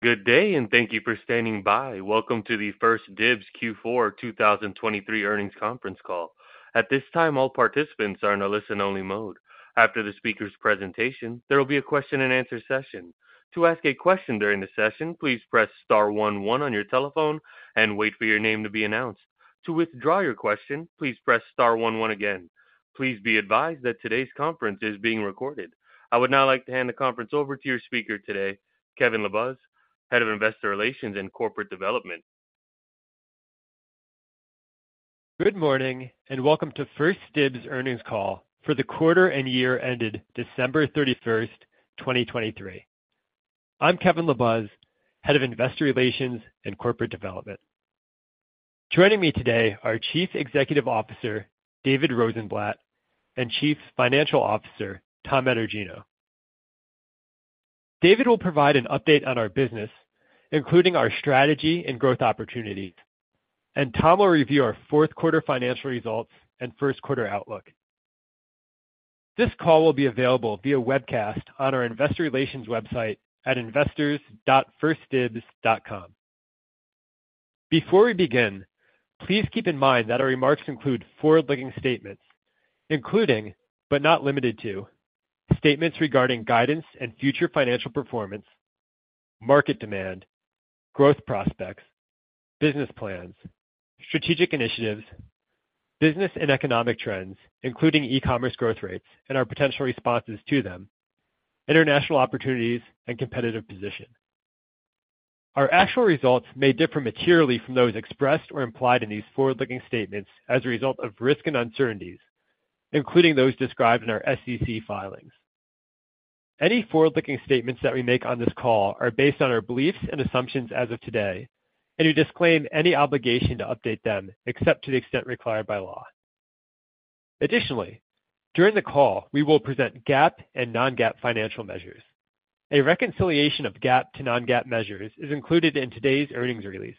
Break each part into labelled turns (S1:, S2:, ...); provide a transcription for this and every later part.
S1: Good day, and thank you for standing by. Welcome to the 1stDibs Q4 2023 earnings conference call. At this time, all participants are in a listen-only mode. After the speaker's presentation, there will be a question-and-answer session. To ask a question during the session, please press star one one on your telephone and wait for your name to be announced. To withdraw your question, please press star one one again. Please be advised that today's conference is being recorded. I would now like to hand the conference over to your speaker today, Kevin LaBuz, Head of Investor Relations and Corporate Development.
S2: Good morning, and welcome to 1stDibs earnings call for the quarter and year ended December 31, 2023. I'm Kevin LaBuz, Head of Investor Relations and Corporate Development. Joining me today are Chief Executive Officer David Rosenblatt, and Chief Financial Officer Tom Etergino. David will provide an update on our business, including our strategy and growth opportunities, and Tom will review our Q4 financial results and Q1 outlook. This call will be available via webcast on our investor relations website at investors.1stdibs.com. Before we begin, please keep in mind that our remarks include forward-looking statements, including, but not limited to, statements regarding guidance and future financial performance, market demand, growth prospects, business plans, strategic initiatives, business and economic trends, including e-commerce growth rates and our potential responses to them, international opportunities and competitive position. Our actual results may differ materially from those expressed or implied in these forward-looking statements as a result of risks and uncertainties, including those described in our SEC filings. Any forward-looking statements that we make on this call are based on our beliefs and assumptions as of today, and we disclaim any obligation to update them except to the extent required by law. Additionally, during the call, we will present GAAP and non-GAAP financial measures. A reconciliation of GAAP to non-GAAP measures is included in today's earnings release,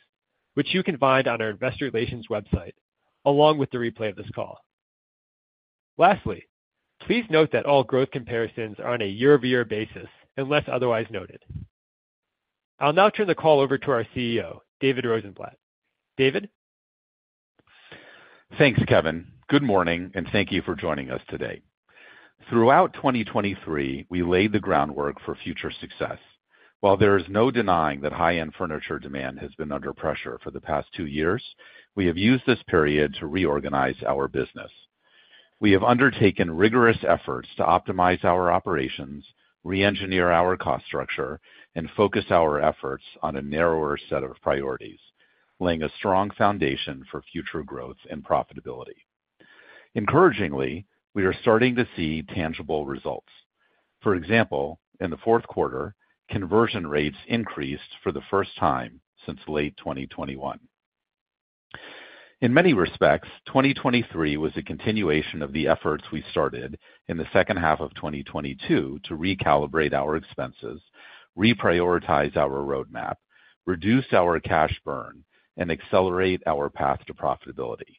S2: which you can find on our investor relations website, along with the replay of this call. Lastly, please note that all growth comparisons are on a year-over-year basis, unless otherwise noted. I'll now turn the call over to our CEO, David Rosenblatt. David?
S3: Thanks, Kevin. Good morning, and thank you for joining us today. Throughout 2023, we laid the groundwork for future success. While there is no denying that high-end furniture demand has been under pressure for the past 2 years, we have used this period to reorganize our business. We have undertaken rigorous efforts to optimize our operations, reengineer our cost structure, and focus our efforts on a narrower set of priorities, laying a strong foundation for future growth and profitability. Encouragingly, we are starting to s ee tangible results. For example, in the Q4, conversion rates increased for the first time since late 2021. In many respects, 2023 was a continuation of the efforts we started in the second half of 2022 to recalibrate our expenses, reprioritize our roadmap, reduce our cash burn, and accelerate our path to profitability.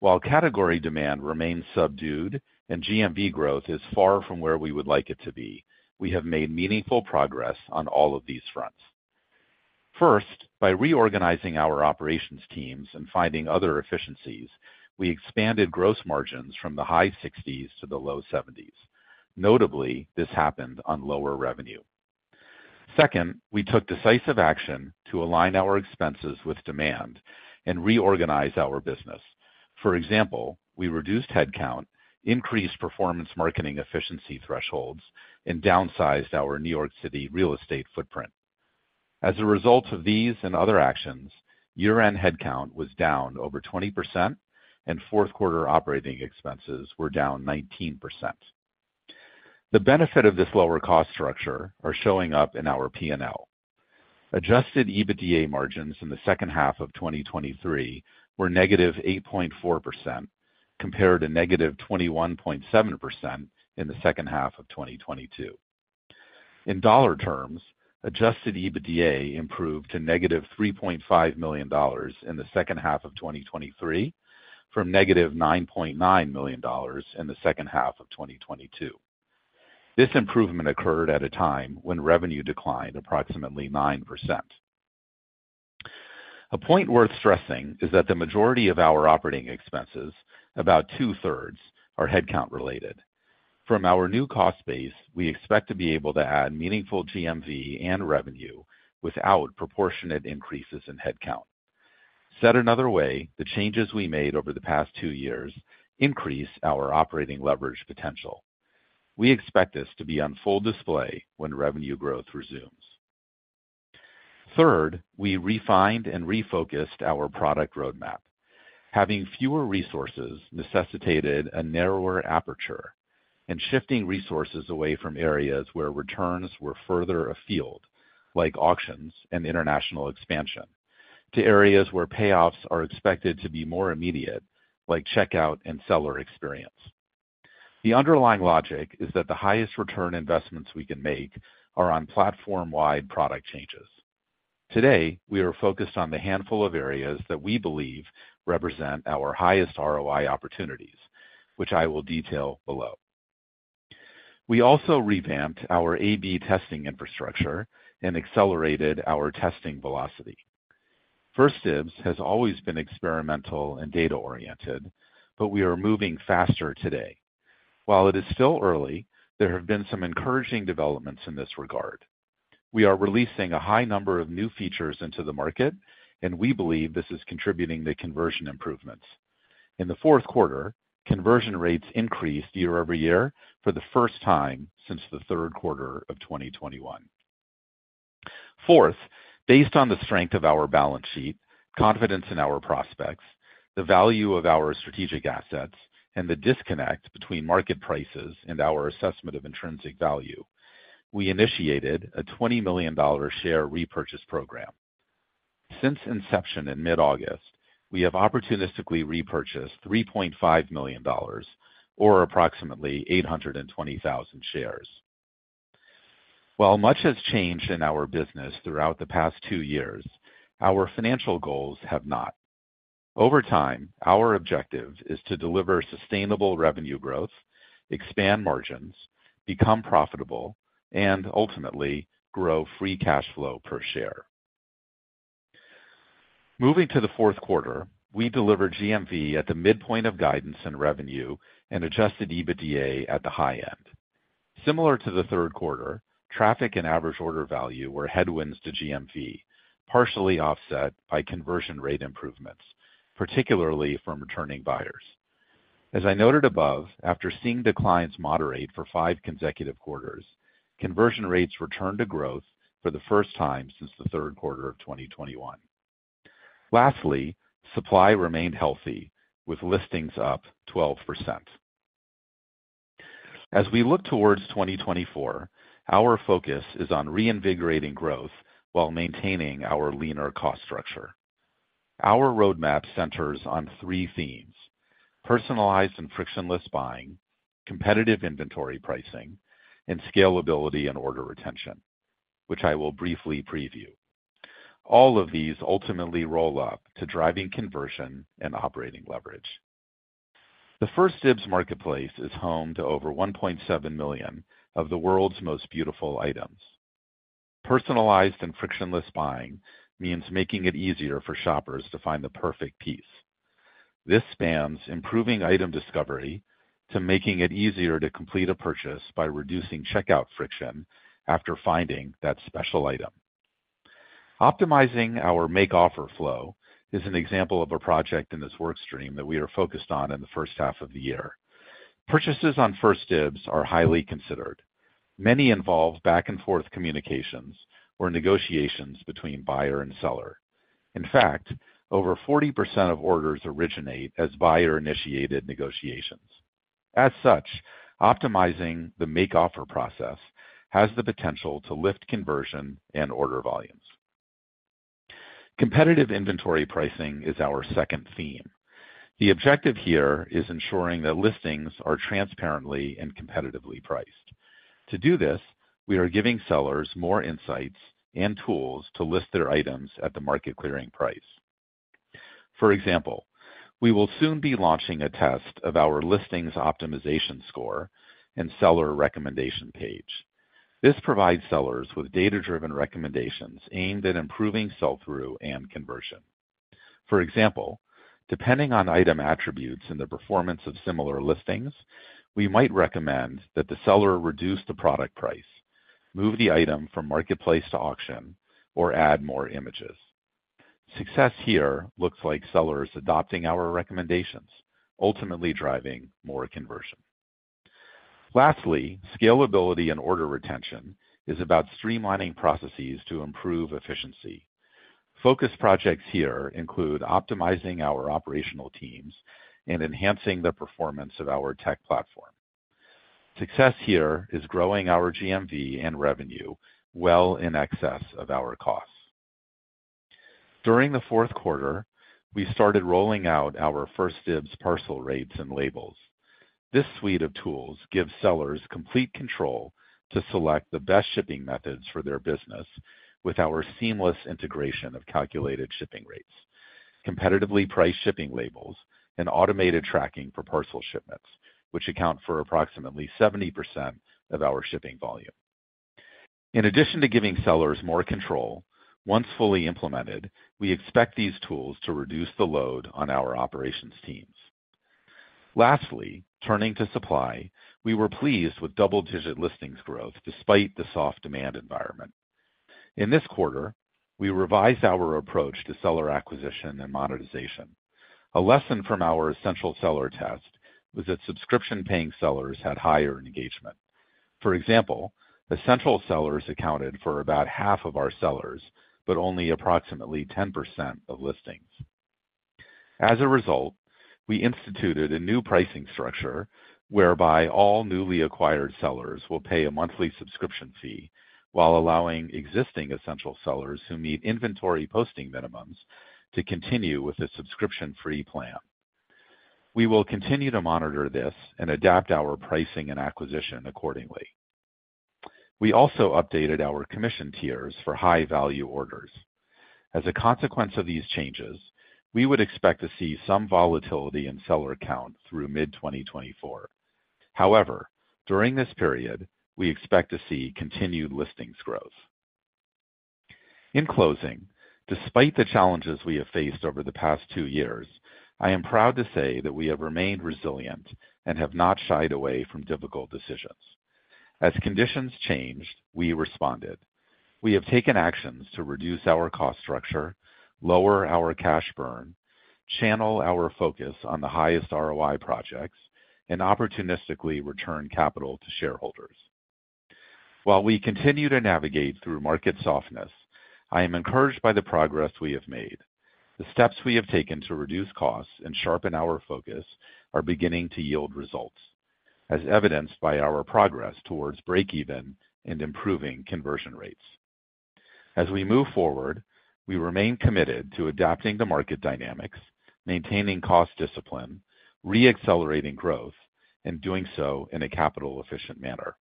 S3: While category demand remains subdued and GMV growth is far from where we would like it to be, we have made meaningful progress on all of these fronts. First, by reorganizing our operations teams and finding other efficiencies, we expanded gross margins from the high sixties to the low seventies. Notably, this happened on lower revenue. Second, we took decisive action to align our expenses with demand and reorganize our business. For example, we reduced headcount, increased performance marketing efficiency thresholds, and downsized our New York City real estate footprint. As a result of these and other actions, year-end headcount was down over 20% and Q4 operating expenses were down 19%. The benefit of this lower cost structure are showing up in our P&L. Adjusted EBITDA margins in the second half of 2023 were -8.4%, compared to -21.7% in the second half of 2022. In dollar terms, adjusted EBITDA improved to -$3.5 million in the second half of 2023, from -$9.9 million in the second half of 2022. This improvement occurred at a time when revenue declined approximately 9%. A point worth stressing is that the majority of our operating expenses, about two-thirds, are headcount-related. From our new cost base, we expect to be able to add meaningful GMV and revenue without proportionate increases in headcount. Said another way, the changes we made over the past two years increase our operating leverage potential. We expect this to be on full display when revenue growth resumes. Third, we refined and refocused our product roadmap. Having fewer resources necessitated a narrower aperture and shifting resources away from areas where returns were further afield, like auctions and international expansion, to areas where payoffs are expected to be more immediate, like checkout and seller experience. The underlying logic is that the highest return investments we can make are on platform-wide product changes. Today, we are focused on the handful of areas that we believe represent our highest ROI opportunities, which I will detail below.... We also revamped our A/B testing infrastructure and accelerated our testing velocity. 1stDibs has always been experimental and data-oriented, but we are moving faster today. While it is still early, there have been some encouraging developments in this regard. We are releasing a high number of new features into the market, and we believe this is contributing to conversion improvements. In the Q4, conversion rates increased year-over-year for the first time since the Q3 of 2021. Fourth, based on the strength of our balance sheet, confidence in our prospects, the value of our strategic assets, and the disconnect between market prices and our assessment of intrinsic value, we initiated a $20 million share repurchase program. Since inception in mid-August, we have opportunistically repurchased $3.5 million, or approximately 820,000 shares. While much has changed in our business throughout the past two years, our financial goals have not. Over time, our objective is to deliver sustainable revenue growth, expand margins, become profitable, and ultimately, grow free cash flow per share. Moving to the Q4, we delivered GMV at the midpoint of guidance and revenue and adjusted EBITDA at the high end. Similar to the Q3, traffic and average order value were headwinds to GMV, partially offset by conversion rate improvements, particularly from returning buyers. As I noted above, after seeing declines moderate for five consecutive quarters, conversion rates returned to growth for the first time since the Q3 of 2021. Lastly, supply remained healthy, with listings up 12%. As we look towards 2024, our focus is on reinvigorating growth while maintaining our leaner cost structure. Our roadmap centers on three themes: personalized and frictionless buying, competitive inventory pricing, and scalability and order retention, which I will briefly preview. All of these ultimately roll up to driving conversion and operating leverage. The 1stDibs marketplace is home to over 1.7 million of the world's most beautiful items. Personalized and frictionless buying means making it easier for shoppers to find the perfect piece. This spans improving item discovery to making it easier to complete a purchase by reducing checkout friction after finding that special item. Optimizing our make offer flow is an example of a project in this work stream that we are focused on in the first half of the year. Purchases on 1stDibs are highly considered. Many involve back-and-forth communications or negotiations between buyer and seller. In fact, over 40% of orders originate as buyer-initiated negotiations. As such, optimizing the make offer process has the potential to lift conversion and order volumes. Competitive inventory pricing is our second theme. The objective here is ensuring that listings are transparently and competitively priced. To do this, we are giving sellers more insights and tools to list their items at the market clearing price. For example, we will soon be launching a test of our listings optimization score and seller recommendation page. This provides sellers with data-driven recommendations aimed at improving sell-through and conversion. For example, depending on item attributes and the performance of similar listings, we might recommend that the seller reduce the product price, move the item from marketplace to auction, or add more images. Success here looks like sellers adopting our recommendations, ultimately driving more conversion. Lastly, scalability and order retention is about streamlining processes to improve efficiency. Focus projects here include optimizing our operational teams and enhancing the performance of our tech platform. Success here is growing our GMV and revenue well in excess of our costs. During the Q4, we started rolling out our 1stDibs Parcel Rates and Labels. This suite of tools gives sellers complete control to select the best shipping methods for their business with our seamless integration of calculated shipping rates, competitively priced shipping labels, and automated tracking for parcel shipments, which account for approximately 70% of our shipping volume. In addition to giving sellers more control, once fully implemented, we expect these tools to reduce the load on our operations teams. Lastly, turning to supply, we were pleased with double-digit listings growth despite the soft demand environment. In this quarter, we revised our approach to seller acquisition and monetization. A lesson from our essential seller test was that subscription-paying sellers had higher engagement. For example, essential sellers accounted for about half of our sellers, but only approximately 10% of listings. As a result, we instituted a new pricing structure whereby all newly acquired sellers will pay a monthly subscription fee while allowing existing essential sellers who meet inventory posting minimums to continue with a subscription-free plan. We will continue to monitor this and adapt our pricing and acquisition accordingly. We also updated our commission tiers for high-value orders. As a consequence of these changes, we would expect to see some volatility in seller count through mid-2024. However, during this period, we expect to see continued listings growth. In closing, despite the challenges we have faced over the past two years, I am proud to say that we have remained resilient and have not shied away from difficult decisions. As conditions changed, we responded. We have taken actions to reduce our cost structure, lower our cash burn, channel our focus on the highest ROI projects, and opportunistically return capital to shareholders. While we continue to navigate through market softness, I am encouraged by the progress we have made. The steps we have taken to reduce costs and sharpen our focus are beginning to yield results, as evidenced by our progress towards breakeven and improving conversion rates. As we move forward, we remain committed to adapting to market dynamics, maintaining cost discipline, re-accelerating growth, and doing so in a capital-efficient manner.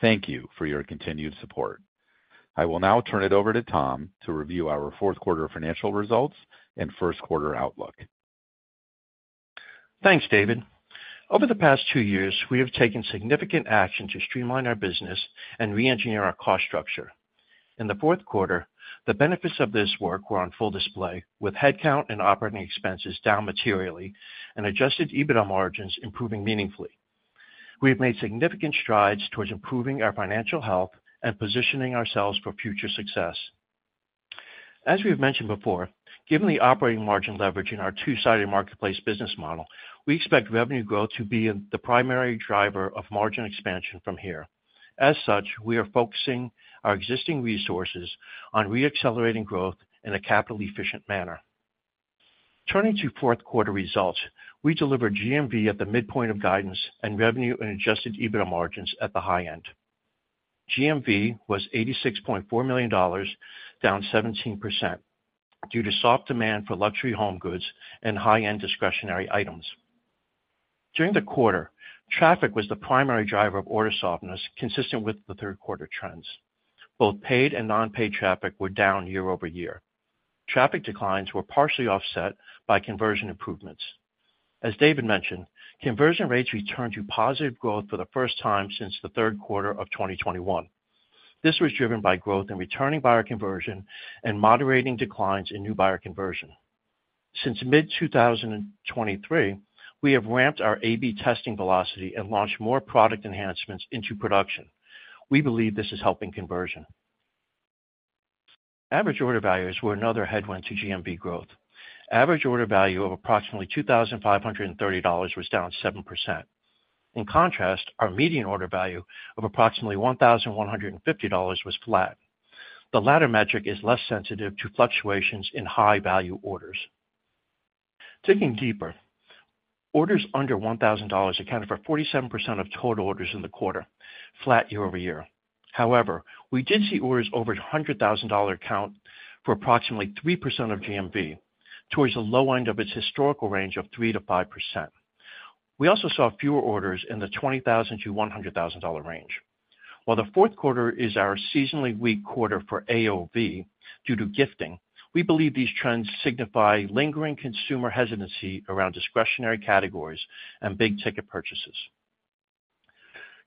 S3: Thank you for your continued support. I will now turn it over to Tom to review our Q4 financial results and Q1 outlook.
S4: Thanks, David. Over the past two years, we have taken significant action to streamline our business and reengineer our cost structure. In the Q4, the benefits of this work were on full display, with headcount and operating expenses down materially and Adjusted EBITDA margins improving meaningfully. We have made significant strides towards improving our financial health and positioning ourselves for future success. As we've mentioned before, given the operating margin leverage in our two-sided marketplace business model, we expect revenue growth to be the primary driver of margin expansion from here. As such, we are focusing our existing resources on reaccelerating growth in a capital-efficient manner. Turning to Q4 results, we delivered GMV at the midpoint of guidance and revenue and Adjusted EBITDA margins at the high end. GMV was $86.4 million, down 17%, due to soft demand for luxury home goods and high-end discretionary items. During the quarter, traffic was the primary driver of order softness, consistent with the Q3 trends. Both paid and non-paid traffic were down year-over-year. Traffic declines were partially offset by conversion improvements. As David mentioned, conversion rates returned to positive growth for the first time since the third quarter of 2021. This was driven by growth in returning buyer conversion and moderating declines in new buyer conversion. Since mid-2023, we have ramped our A/B testing velocity and launched more product enhancements into production. We believe this is helping conversion. Average order values were another headwind to GMV growth. Average order value of approximately $2,530 was down 7%. In contrast, our median order value of approximately $1,150 was flat. The latter metric is less sensitive to fluctuations in high-value orders. Digging deeper, orders under $1,000 accounted for 47% of total orders in the quarter, flat year-over-year. However, we did see orders over $100,000 account for approximately 3% of GMV, towards the low end of its historical range of 3%-5%. We also saw fewer orders in the $20,000-$100,000 range. While the Q4 is our seasonally weak quarter for AOV due to gifting, we believe these trends signify lingering consumer hesitancy around discretionary categories and big-ticket purchases.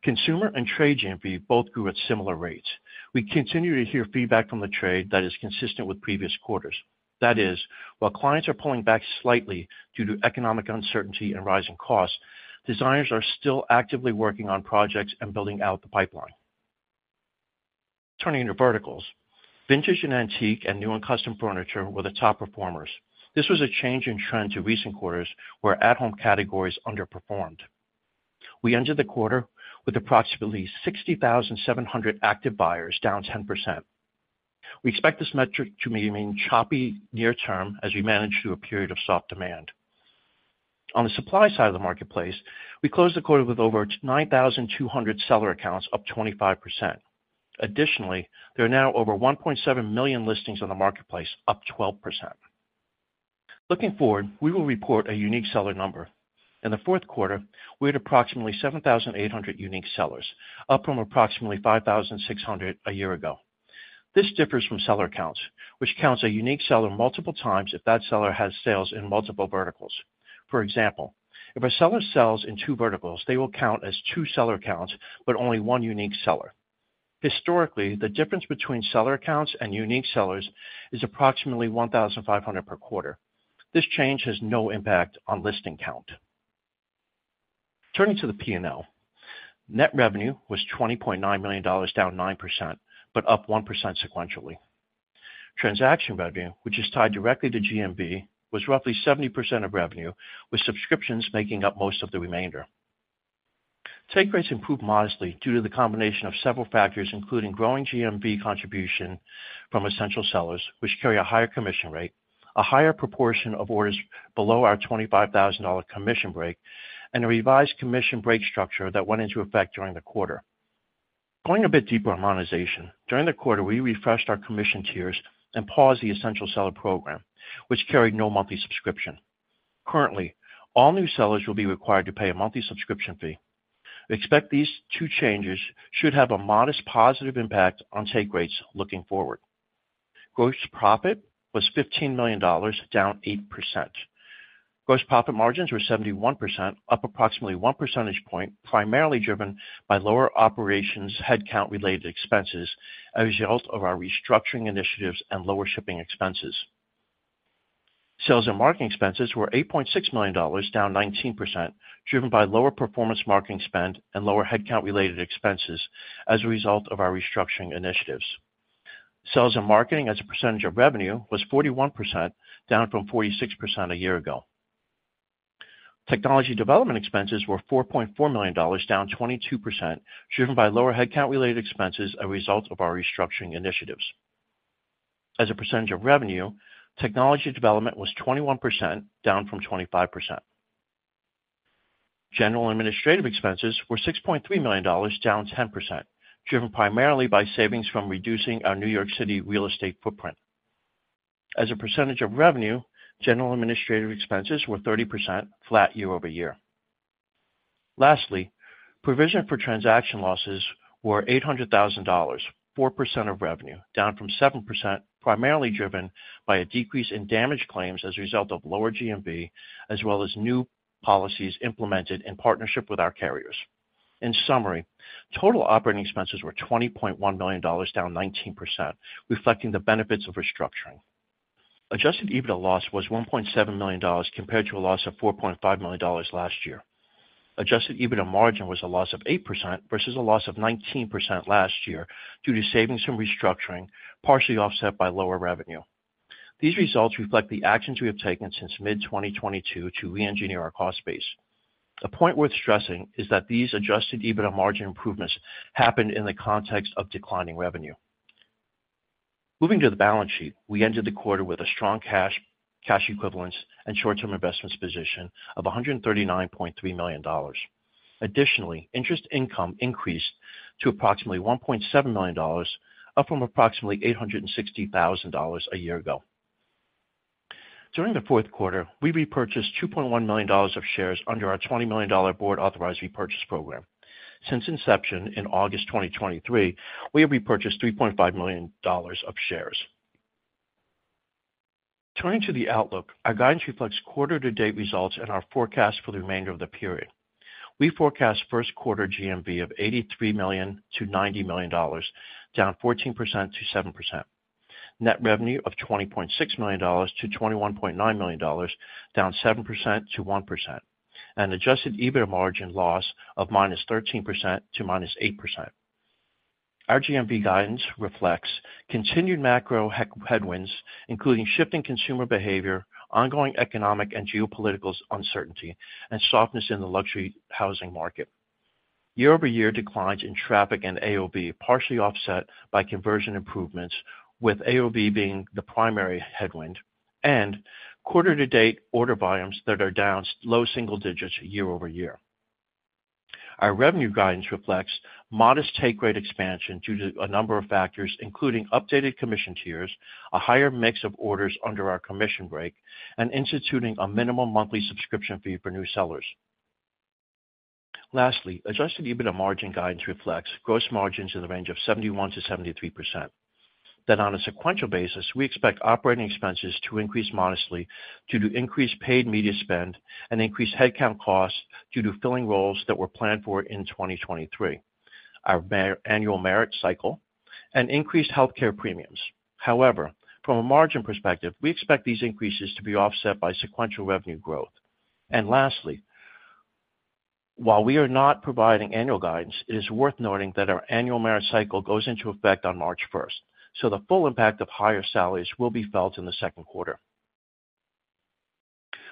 S4: Consumer and trade GMV both grew at similar rates. We continue to hear feedback from the trade that is consistent with previous quarters. That is, while clients are pulling back slightly due to economic uncertainty and rising costs, designers are still actively working on projects and building out the pipeline. Turning to verticals. Vintage and antique and new and custom furniture were the top performers. This was a change in trend to recent quarters, where at-home categories underperformed. We ended the quarter with approximately 60,700 active buyers, down 10%. We expect this metric to remain choppy near term as we manage through a period of soft demand. On the supply side of the marketplace, we closed the quarter with over 9,200 seller accounts, up 25%. Additionally, there are now over 1.7 million listings on the marketplace, up 12%. Looking forward, we will report a unique seller number. In the Q4, we had approximately 7,800 unique sellers, up from approximately 5,600 a year ago. This differs from seller accounts, which counts a unique seller multiple times if that seller has sales in multiple verticals. For example, if a seller sells in two verticals, they will count as two seller accounts, but only one unique seller. Historically, the difference between seller accounts and unique sellers is approximately 1,500 per quarter. This change has no impact on listing count. Turning to the P&L. Net revenue was $20.9 million, down 9%, but up 1% sequentially. Transaction revenue, which is tied directly to GMV, was roughly 70% of revenue, with subscriptions making up most of the remainder. Take rates improved modestly due to the combination of several factors, including growing GMV contribution from Essential sellers, which carry a higher commission rate, a higher proportion of orders below our $25,000 commission break, and a revised commission break structure that went into effect during the quarter. Going a bit deeper on monetization, during the quarter, we refreshed our commission tiers and paused the Essential Seller Program, which carried no monthly subscription. Currently, all new sellers will be required to pay a monthly subscription fee. We expect these two changes should have a modest positive impact on take rates looking forward. Gross profit was $15 million, down 8%. Gross profit margins were 71%, up approximately 1 percentage point, primarily driven by lower operations headcount-related expenses as a result of our restructuring initiatives and lower shipping expenses. Sales and marketing expenses were $8.6 million, down 19%, driven by lower performance marketing spend and lower headcount-related expenses as a result of our restructuring initiatives. Sales and marketing as a percentage of revenue was 41%, down from 46% a year ago. Technology development expenses were $4.4 million, down 22%, driven by lower headcount-related expenses, a result of our restructuring initiatives. As a percentage of revenue, technology development was 21%, down from 25%. General administrative expenses were $6.3 million, down 10%, driven primarily by savings from reducing our New York City real estate footprint. As a percentage of revenue, general administrative expenses were 30%, flat year over year. Lastly, provision for transaction losses were $800,000, 4% of revenue, down from 7%, primarily driven by a decrease in damage claims as a result of lower GMV, as well as new policies implemented in partnership with our carriers. In summary, total operating expenses were $20.1 million, down 19%, reflecting the benefits of restructuring. Adjusted EBITDA loss was $1.7 million, compared to a loss of $4.5 million last year. Adjusted EBITDA margin was a loss of 8% versus a loss of 19% last year due to savings from restructuring, partially offset by lower revenue. These results reflect the actions we have taken since mid-2022 to reengineer our cost base. A point worth stressing is that these adjusted EBITDA margin improvements happened in the context of declining revenue. Moving to the balance sheet, we ended the quarter with a strong cash, cash equivalents, and short-term investments position of $139.3 million. Additionally, interest income increased to approximately $1.7 million, up from approximately $860,000 a year ago. During the Q4, we repurchased $2.1 million of shares under our $20 million board authorized repurchase program. Since inception in August 2023, we have repurchased $3.5 million of shares. Turning to the outlook, our guidance reflects quarter-to-date results and our forecast for the remainder of the period. We forecast Q1 GMV of $83 million-$90 million, down 14%-7%. Net revenue of $20.6 million-$21.9 million, down 7%-1%, and adjusted EBITDA margin loss of -13% to -8%. Our GMV guidance reflects continued macro headwinds, including shifting consumer behavior, ongoing economic and geopolitical uncertainty, and softness in the luxury housing market. Year-over-year declines in traffic and AOV, partially offset by conversion improvements, with AOV being the primary headwind and quarter-to-date order volumes that are down low single digits year over year. Our revenue guidance reflects modest take rate expansion due to a number of factors, including updated commission tiers, a higher mix of orders under our commission break, and instituting a minimum monthly subscription fee for new sellers. Lastly, adjusted EBITDA margin guidance reflects gross margins in the range of 71%-73%. Then, on a sequential basis, we expect operating expenses to increase modestly due to increased paid media spend and increased headcount costs due to filling roles that were planned for in 2023, our annual merit cycle, and increased healthcare premiums. However, from a margin perspective, we expect these increases to be offset by sequential revenue growth. And lastly, while we are not providing annual guidance, it is worth noting that our annual merit cycle goes into effect on March first, so the full impact of higher salaries will be felt in the Q2.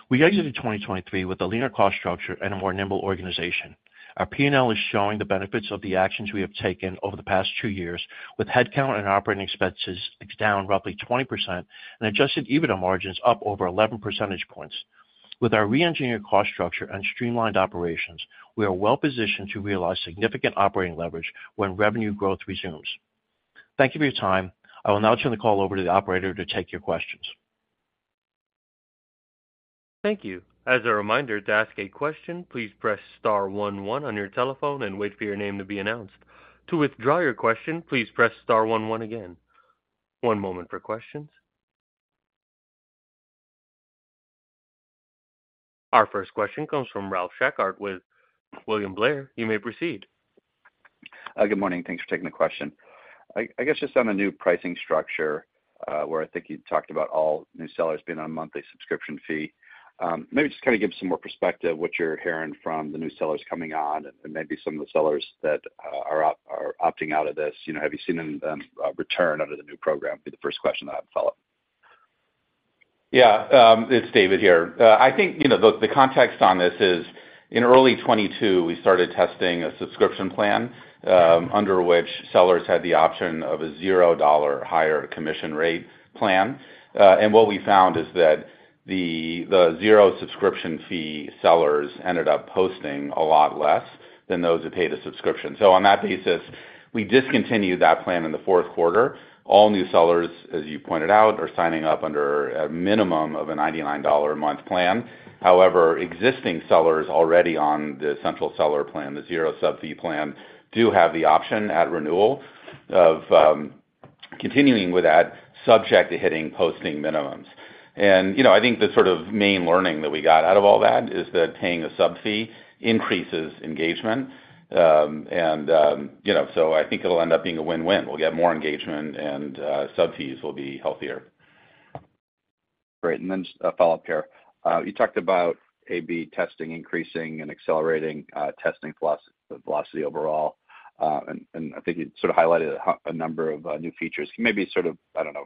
S4: We exited 2023 with a leaner cost structure and a more nimble organization. Our P&L is showing the benefits of the actions we have taken over the past two years, with headcount and operating expenses down roughly 20% and Adjusted EBITDA margins up over 11 percentage points. With our reengineered cost structure and streamlined operations, we are well positioned to realize significant operating leverage when revenue growth resumes. Thank you for your time. I will now turn the call over to the operator to take your questions.
S1: Thank you. As a reminder, to ask a question, please press star one one on your telephone and wait for your name to be announced. To withdraw your question, please press star one one again. One moment for questions. Our first question comes from Ralph Schackart with William Blair. You may proceed.
S5: Good morning. Thanks for taking the question. I guess just on the new pricing structure, where I think you talked about all new sellers being on a monthly subscription fee, maybe just kind of give some more perspective what you're hearing from the new sellers coming on and maybe some of the sellers that are opting out of this. You know, have you seen them return under the new program? That's the first question, then I have a follow-up.
S3: Yeah, it's David here. I think, you know, the context on this is, in early 2022, we started testing a subscription plan under which sellers had the option of a $0 higher commission rate plan. And what we found is that the zero subscription fee sellers ended up posting a lot less than those who paid a subscription. So on that basis, we discontinued that plan in the Q4. All new sellers, as you pointed out, are signing up under a minimum of a $99 a month plan. However, existing sellers already on the Essential Seller Program, the zero sub fee plan, do have the option at renewal of continuing with that, subject to hitting posting minimums. You know, I think the sort of main learning that we got out of all that is that paying a sub fee increases engagement. You know, so I think it'll end up being a win-win. We'll get more engagement and sub fees will be healthier.
S5: Great. Then just a follow-up here. You talked about A/B testing increasing and accelerating testing velocity overall. And I think you sort of highlighted a number of new features. Can maybe sort of, I don't know,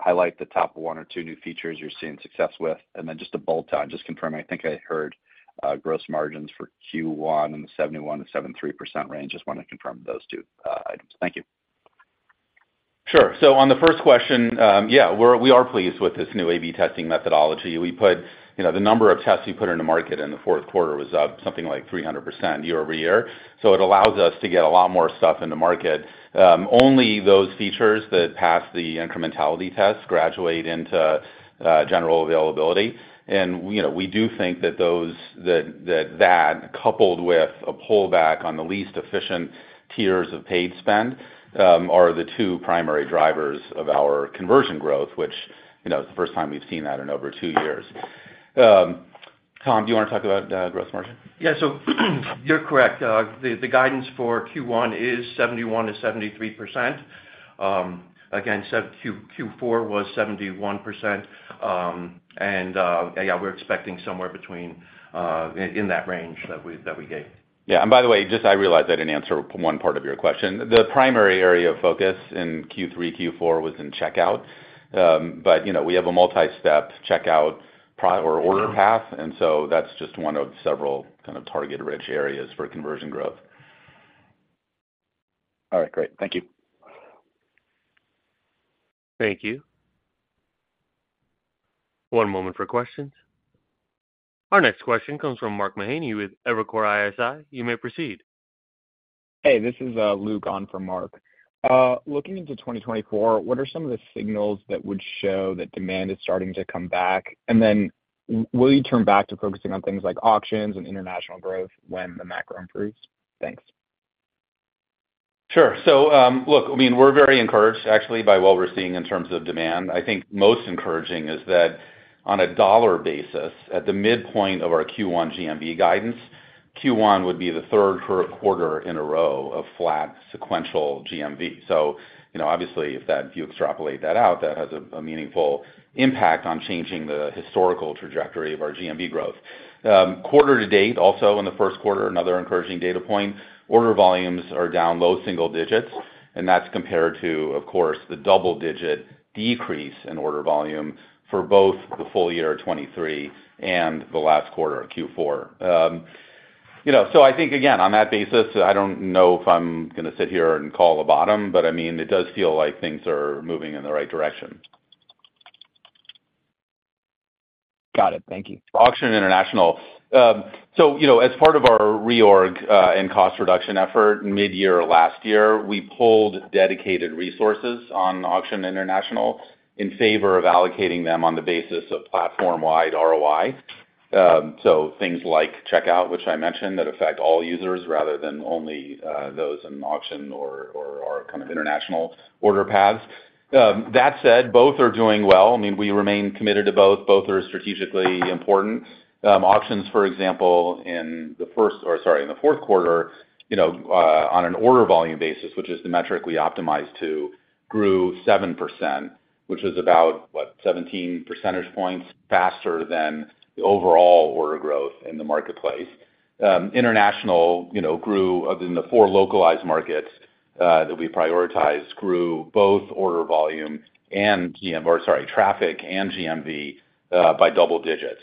S5: highlight the top one or two new features you're seeing success with, and then just to bolt on, just confirm, I think I heard gross margins for Q1 in the 71%-73% range. Just want to confirm those two items. Thank you.
S3: Sure. So on the first question, yeah, we're, we are pleased with this new A/B Testing methodology. We put, you know, the number of tests we put in the market in the Q4 was up something like 300% year-over-year, so it allows us to get a lot more stuff in the market. Only those features that pass the incrementality test graduate into general availability. And, you know, we do think that those, that, that, that coupled with a pullback on the least efficient tiers of paid spend, are the two primary drivers of our conversion growth, which, you know, is the first time we've seen that in over two years. Tom, do you want to talk about growth margin?
S4: Yeah, so you're correct. The guidance for Q1 is 71%-73%. Again, Q4 was 71%. And yeah, we're expecting somewhere between in that range that we gave.
S3: Yeah, and by the way, just, I realized I didn't answer one part of your question. The primary area of focus in Q3, Q4 was in checkout. But, you know, we have a multi-step checkout process or order path, and so that's just one of several kind of target rich areas for conversion growth.
S5: All right, great. Thank you.
S1: Thank you. One moment for questions. Our next question comes from Mark Mahaney with Evercore ISI. You may proceed.
S6: Hey, this is Luke from Mark. Looking into 2024, what are some of the signals that would show that demand is starting to come back? And then will you turn back to focusing on things like auctions and international growth when the macro improves? Thanks.
S3: Sure. So, look, I mean, we're very encouraged actually by what we're seeing in terms of demand. I think most encouraging is that on a dollar basis, at the midpoint of our Q1 GMV guidance, Q1 would be the Q3 in a row of flat sequential GMV. So, you know, obviously, if that, if you extrapolate that out, that has a meaningful impact on changing the historical trajectory of our GMV growth. Quarter to date, also in the Q1, another encouraging data point, order volumes are down low single digits, and that's compared to, of course, the double-digit decrease in order volume for both the full year of 2023 and the last quarter of Q4. You know, so I think, again, on that basis, I don't know if I'm going to sit here and call a bottom, but I mean, it does feel like things are moving in the right direction.
S6: Got it. Thank you.
S3: Auction International. So, you know, as part of our reorg and cost reduction effort, midyear last year, we pulled dedicated resources on Auction International in favor of allocating them on the basis of platform-wide ROI. So things like checkout, which I mentioned, that affect all users rather than only those in auction or our kind of international order paths. That said, both are doing well. I mean, we remain committed to both. Both are strategically important. Auctions, for example, in the first, or sorry, in the Q4, you know, on an order volume basis, which is the metric we optimize to, grew 7%, which is about 17 percentage points faster than the overall order growth in the marketplace. International, you know, grew in the four localized markets that we prioritized, grew both order volume and GMV, or sorry, traffic and GMV, by double digits.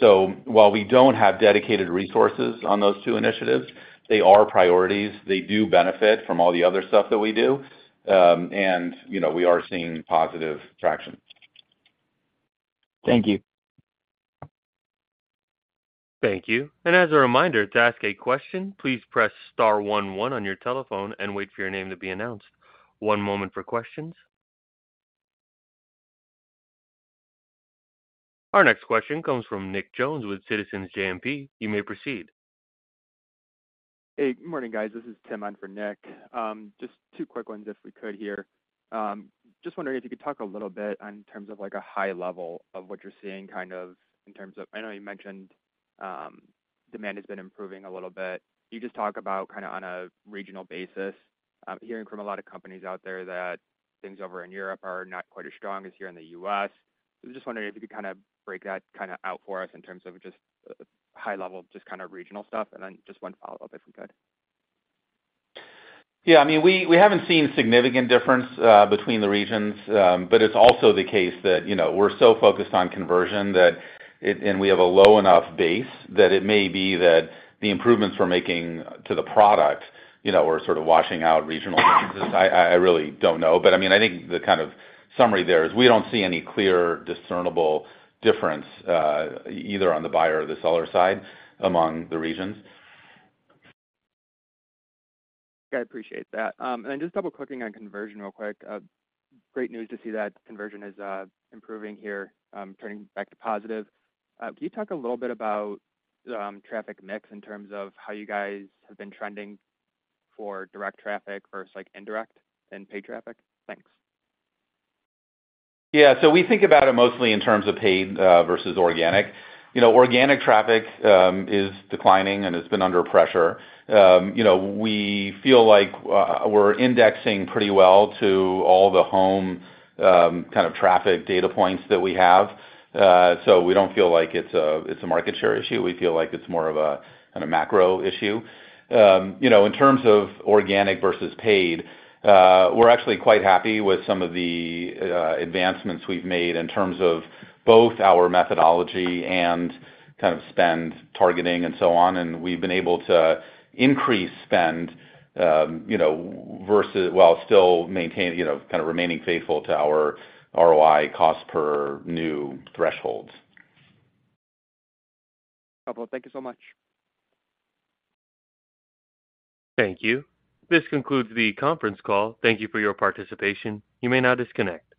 S3: So while we don't have dedicated resources on those two initiatives, they are priorities. They do benefit from all the other stuff that we do. And you know, we are seeing positive traction.
S6: Thank you.
S1: Thank you. As a reminder, to ask a question, please press star one one on your telephone and wait for your name to be announced. One moment for questions. Our next question comes from Nick Jones with Citizens JMP. You may proceed.
S7: Hey, good morning, guys. This is Tim on for Nick. Just two quick ones, if we could here. Just wondering if you could talk a little bit on terms of like a high level of what you're seeing, kind of in terms of... I know you mentioned, demand has been improving a little bit. Can you just talk about kind of on a regional basis? I'm hearing from a lot of companies out there that things over in Europe are not quite as strong as here in the U.S. So just wondering if you could kind of break that kind of out for us in terms of just high level, just kind of regional stuff, and then just one follow-up, if we could.
S3: Yeah, I mean, we haven't seen significant difference between the regions, but it's also the case that, you know, we're so focused on conversion that it and we have a low enough base, that it may be that the improvements we're making to the product, you know, are sort of washing out regional differences. I really don't know. But, I mean, I think the kind of summary there is we don't see any clear, discernible difference either on the buyer or the seller side among the regions.
S7: I appreciate that. And then just double-clicking on conversion real quick. Great news to see that conversion is improving here, turning back to positive. Can you talk a little bit about traffic mix in terms of how you guys have been trending for direct traffic versus, like, indirect and paid traffic? Thanks.
S3: Yeah, so we think about it mostly in terms of paid versus organic. You know, organic traffic is declining, and it's been under pressure. You know, we feel like we're indexing pretty well to all the home kind of traffic data points that we have. So we don't feel like it's a, it's a market share issue. We feel like it's more of a kind of macro issue. You know, in terms of organic versus paid, we're actually quite happy with some of the advancements we've made in terms of both our methodology and kind of spend targeting and so on, and we've been able to increase spend, you know, versus while still maintaining, you know, kind of remaining faithful to our ROI cost per new thresholds.
S7: Thank you so much.
S1: Thank you. This concludes the conference call. Thank you for your participation. You may now disconnect.